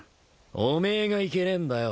おめえがいけねえんだよ。